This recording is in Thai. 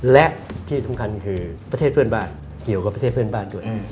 และที่สำคัญคือประเทศเพื่อนบ้านเกี่ยวกับประเทศเพื่อนบ้านด้วย